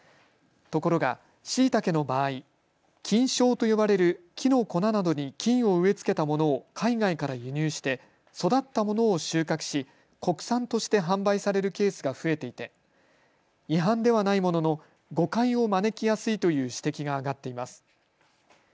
ところが、しいたけの場合、菌床と呼ばれる木の粉などに菌を植え付けたものを海外から輸入して育ったものを収穫し、国産として販売されるケースが増えていて、違反ではないものの誤解を招きやすいという指摘があがっています。